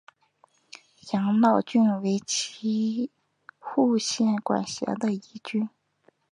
养老郡为岐阜县管辖的一郡。